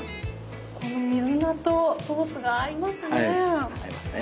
この水菜とソースが合いますね。